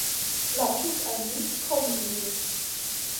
Plaĉus al mi koni ilin.